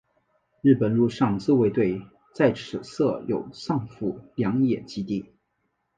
日本陆上自卫队在此设有上富良野基地。